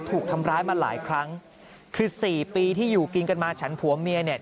ถูกทำร้ายมาหลายครั้งคือสี่ปีที่อยู่กินกันมาฉันผัวเมียเนี่ย